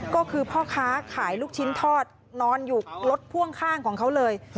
ก็คือพ่อค้าขายลูกชิ้นทอดนอนอยู่รถพ่วงข้างของเขาเลย